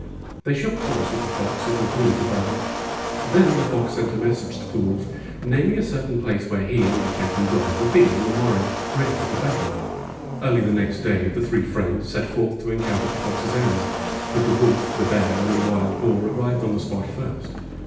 They shook paws with the fox and con cluded the bargain. Then the fox sent a mes sage to the wolf naming a certain place where he and the cat and dog would be on the mor row ready for the battle. 74 Fairy Tale Foxes Early the next day the three friends set forth to encounter the fox's enemies. But the wolf, the bear, and the wild boar arrived on the spot first.